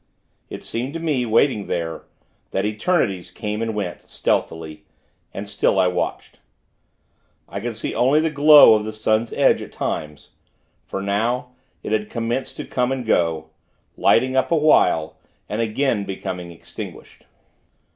It seemed to me, waiting there, that eternities came and went, stealthily; and still I watched. I could see only the glow of the sun's edge, at times; for now, it had commenced to come and go lighting up a while, and again becoming extinguished.